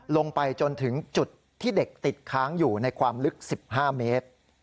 ลงไปจนถึงจุดที่เด็กติดค้างอยู่ในความลึก๑๕เมตร